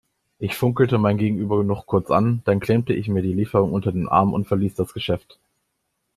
Ich funkelte mein Gegenüber noch kurz an, dann klemmte ich mir die Lieferung unter den Arm und verließ das Geschäft.